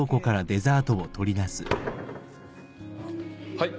はい。